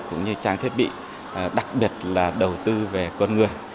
cũng như trang thiết bị đặc biệt là đầu tư về con người